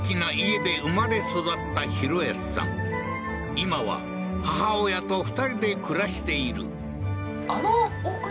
今は母親と２人で暮らしているあ